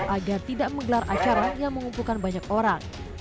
agar tidak menggelar acara yang mengumpulkan banyak orang